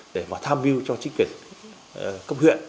để mà tham mưu cho chính quyền công huyện